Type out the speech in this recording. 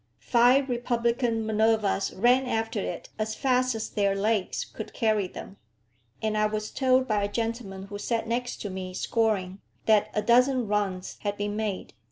Five republican Minervas ran after it as fast as their legs could carry them; and I was told by a gentleman who sat next to me scoring, that a dozen runs had been made.